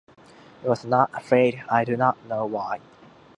I was not afraid, I do not know why.